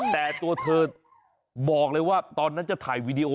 แต่ตัวเธอบอกเลยว่าตอนนั้นจะถ่ายวีดีโอ